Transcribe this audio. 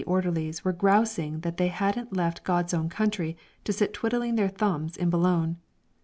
orderlies were grousing that they hadn't left God's Own Country to sit twiddling their thumbs in Boulogne.